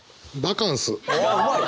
おうまい！